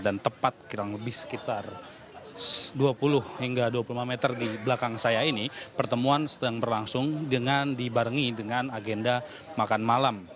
dan tepat kurang lebih sekitar dua puluh hingga dua puluh lima meter di belakang saya ini pertemuan sedang berlangsung dengan dibarengi dengan agenda makan malam